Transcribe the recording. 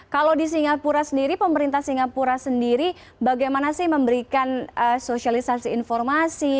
kalau di singapura sendiri pemerintah singapura sendiri bagaimana sih memberikan sosialisasi informasi